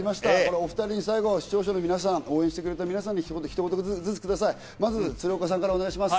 お２人、最後、視聴者の皆さん、応援してくれた皆さんに、ひと言ずつ、お願いします。